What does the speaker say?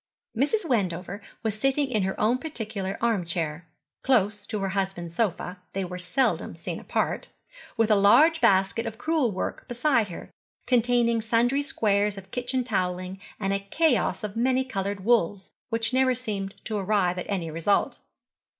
Mrs. Wendover was sitting in her own particular arm chair, close to her husband's sofa they were seldom seen far apart with a large basket of crewel work beside her, containing sundry squares of kitchen towelling and a chaos of many coloured wools, which never seemed to arrive at any result.